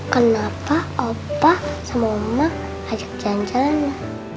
kenapa opa sama oma ajak jalan jalan ya